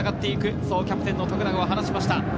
そうキャプテンの徳永は話しました。